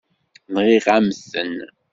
Nɣiɣ-am-ten.